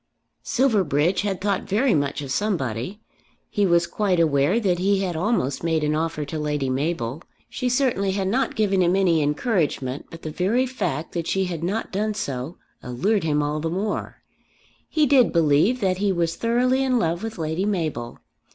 Silverbridge had thought very much of somebody. He was quite aware that he had almost made an offer to Lady Mabel. She certainly had not given him any encouragement; but the very fact that she had not done so allured him the more. He did believe that he was thoroughly in love with Lady Mabel.